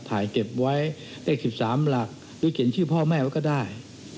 ถ่ายเก็บไว้เลข๑๓หลักหรือเขียนชื่อพ่อแม่ไว้ก็ได้